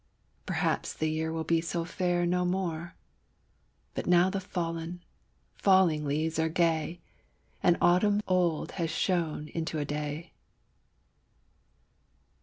Perhaps the year will be so fair no more, But now the fallen, falling leaves are gay, And autumn old has shone into a Day!